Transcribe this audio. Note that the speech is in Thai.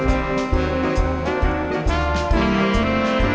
โปรดติดตามต่อไป